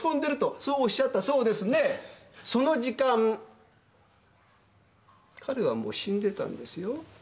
その時間彼はもう死んでたんですよ。